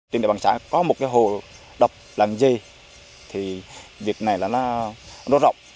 tìm đại bằng trái có một cái hồ đập làm gì thì việc này nó rộng